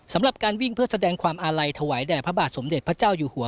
สำหรับการวิ่งเพื่อแสดงความอาลัยถวายแด่พระบาทสมเด็จพระเจ้าอยู่หัว